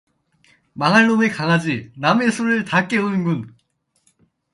망할 놈의 강아지, 남의 술을 다 깨우는군.